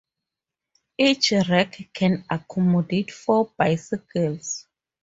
Each rack can accommodate four bicycles.